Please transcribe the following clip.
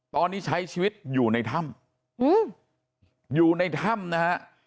ตอนนี้ใช้ชีวิตอยู่ในถ้ำอยู่ในถ้ำนะฮะ